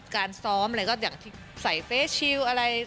การซ้อมอะไรก็อย่างที่ใส่เฟสชิลอะไร